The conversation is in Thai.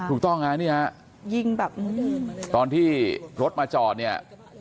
ถูกต้องฮะนี่ฮะยิงแบบตอนที่รถมาจอดเนี่ย